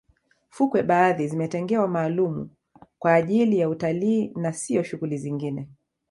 fukwe baadhi zimetengwa maalumu kwa ajili ya utalii na siyo shughuli zingine